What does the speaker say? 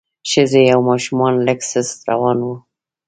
ښځې او ماشومان لږ سست روان وو.